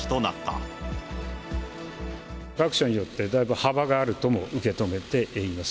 各社によって、だいぶ幅があるとも受け止めています。